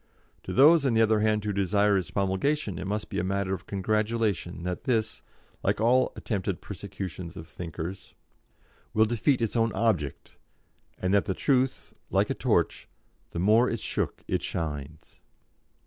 To those, on the other hand, who desire its promulgation, it must be a matter of congratulation that this, like all attempted persecutions of thinkers, will defeat its own object, and that truth, like a torch, 'the more it's shook it shines.'"